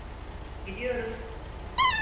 Gidiyoruz!